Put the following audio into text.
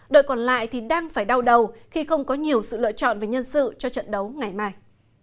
đội còn lại thì đang phải đau đầu khi không có nhiều sự lựa chọn về nhân sự cho trận đấu ngày mai